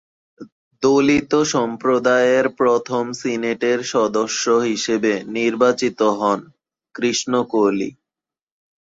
দলিত সম্প্রদায়ের প্রথম সিনেটের সদস্য হিসেবে নির্বাচিত হন, কৃষ্ণ কোহলি।